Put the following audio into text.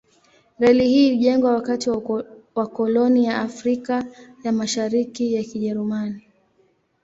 Reli hii ilijengwa wakati wa koloni ya Afrika ya Mashariki ya Kijerumani.